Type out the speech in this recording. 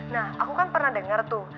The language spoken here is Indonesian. nah aku kan pernah dengar tuh